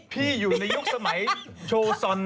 พี่อยู่ในยุคสมัยโชซอน